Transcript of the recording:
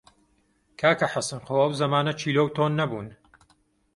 کاکە حەسەن خۆ ئەو زەمانە کیلۆ و تۆن نەبوون!